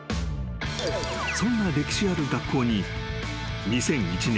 ［そんな歴史ある学校に２００１年。